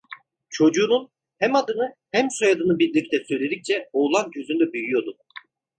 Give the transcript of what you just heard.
Çocuğunun hem adını, hem soyadını birlikte söyledikçe oğlan gözünde büyüyordu.